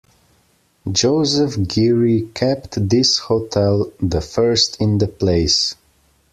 Joseph Geary kept this hotel, the first in the place.